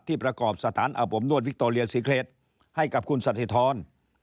ที่ประกอบสถานอบอมนวลวิคโตเลียสิเกรดให้กับคุณสัธิทร